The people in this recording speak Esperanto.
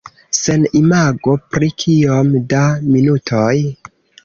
Sen imago pri kiom da minutoj?